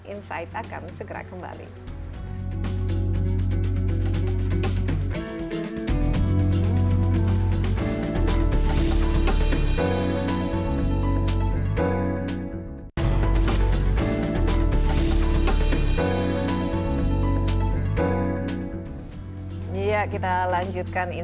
insight akan segera kembali